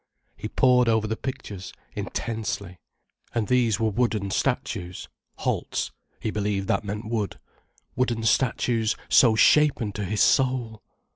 He pored over the pictures intensely. And these were wooden statues, "Holz"—he believed that meant wood. Wooden statues so shapen to his soul!